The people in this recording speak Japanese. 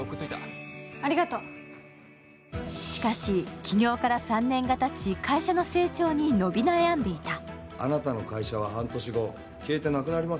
しかし起業から３年がたち会社の成長に伸び悩んでいた。